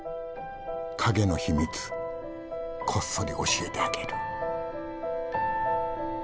影の秘密こっそり教えてあげる。